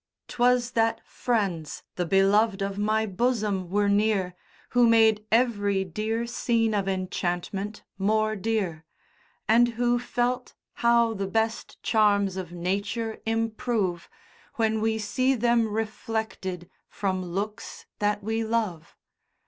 'Twas that friends, the beloved of my bosom, were near, Who made every dear scene of enchantment more dear, And who felt how the best charms of nature improve, When we see them reflected from looks that we love.